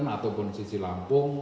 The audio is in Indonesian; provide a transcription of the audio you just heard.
ataupun sisi lampung